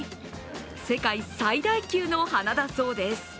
世界最大級の花だそうです。